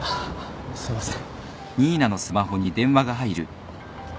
すみません。